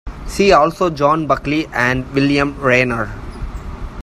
See also John Buckley and William Raynor.